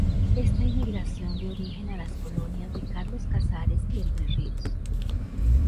Esta inmigración dio origen a las colonias de Carlos Casares y Entre Ríos.